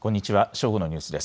正午のニュースです。